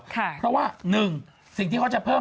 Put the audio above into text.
เพราะว่า๑สิ่งที่เขาจะเพิ่ม